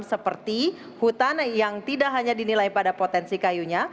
seperti hutan yang tidak hanya dinilai pada potensi kayunya